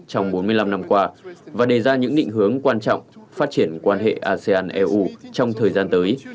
trong bốn mươi năm năm qua và đề ra những định hướng quan trọng phát triển quan hệ asean eu trong thời gian tới